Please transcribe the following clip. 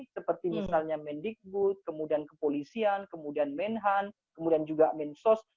seperti misalnya mendikbud kemudian kepolisian kemudian menhan kemudian juga mensos